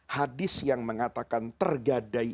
hadis yang mengatakan tergadai